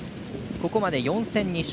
ここまで４戦２勝。